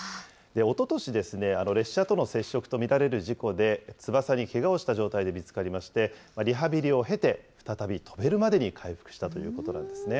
おととしですね、列車との接触と見られる事故で、翼にけがをした状態で見つかりまして、リハビリを経て、再び飛べるまでに回復したということなんですね。